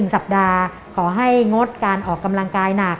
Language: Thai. สัปดาห์ขอให้งดการออกกำลังกายหนัก